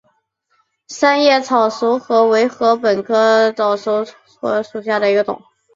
三叶早熟禾为禾本科早熟禾属下的一个种。